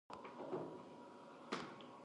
موږ د ټولنیزو ارزښتونو ساتنه کوو.